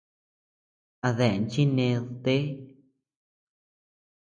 A dean chi neʼed, té.